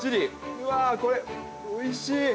うわ、これおいしい！